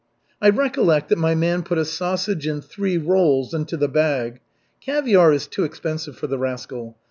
I recollect that my man put a sausage and three rolls into the bag. Caviar is too expensive for the rascal.